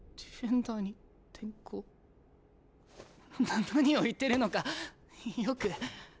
な何を言ってるのかよく。